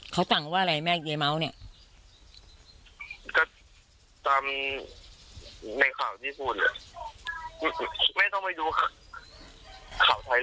เขาสั่งว่าอะไรแม่เยเม้าเนี่ยก็ตามในข่าวที่พูด